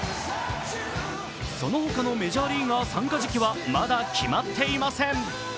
その他のメジャーリーガー参加時期はまだ決まっていません。